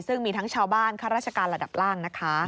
ซึ่งมีทั้งชาวบ้านข้าราชการระดับล่างนะคะ